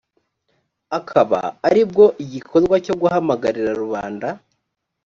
akaba ari bwo igikorwa cyo guhamagarira rubanda